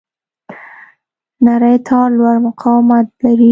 نری تار لوړ مقاومت لري.